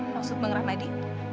maksud bang rahmadi